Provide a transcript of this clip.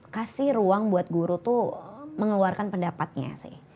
kasih ruang buat guru tuh mengeluarkan pendapatnya sih